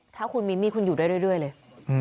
ถ้าคุณมีมีดคุณอยู่ด้วยเลย